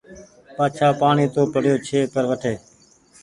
بآڇآ پآڻيٚ تو پڙيو ڇي پر وٺي